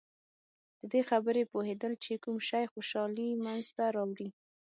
د دې خبرې پوهېدل چې کوم شی خوشحالي منځته راوړي.